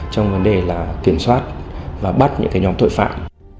trong vấn đề là kiểm soát và bắt những cái nhóm tội phạm